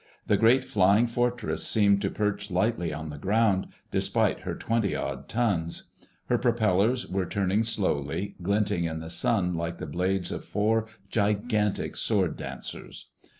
The great Flying Fortress seemed to perch lightly on the ground, despite her twenty odd tons. Her propellers were turning slowly, glinting in the sun like the blades of four gigantic sword dancers.